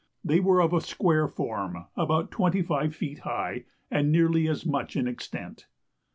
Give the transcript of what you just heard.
They were of a square form, each about twenty five feet high and nearly as much in extent.